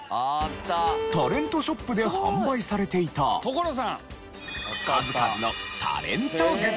タレントショップで販売されていた数々のタレントグッズ。